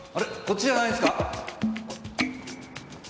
こっちじゃないんすか？